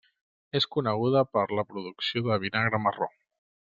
És coneguda per la producció de vinagre marró.